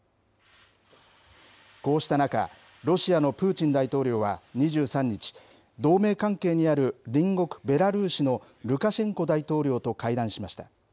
こうした中、ロシアのプーチン大統領は２３日、同盟関係にある、隣国ベラルーシのルカシェンコ大統領と会談しました。